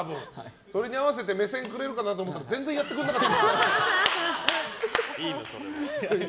それに合わせて目線くれるかなと思ったら全然やってくれなかった。